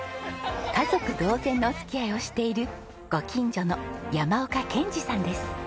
家族同然のお付き合いをしているご近所の山岡憲司さんです。